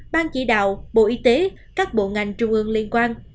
ban chỉ đạo bộ y tế các bộ ngành trung ương liên quan